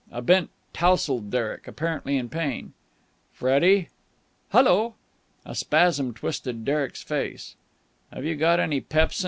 A bent, tousled Derek, apparently in pain. "Freddie!" "Hullo!" A spasm twisted Derek's face. "Have you got any pepsin?"